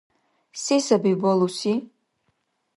Се саби балуси?